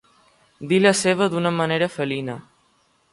Dir la seva d'una manera felina.